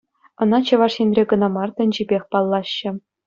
Ӑна Чӑваш Енре кӑна мар, тӗнчипех паллаҫҫӗ.